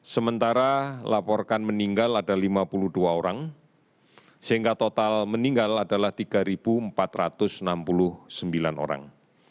sementara laporkan meninggal ada lima puluh dua orang sehingga total meninggal adalah tiga empat ratus enam puluh sembilan orang